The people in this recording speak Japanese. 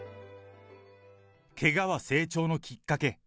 けがは成長のきっかけ。